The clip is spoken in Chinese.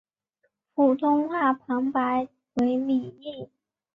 普通话旁白为李易。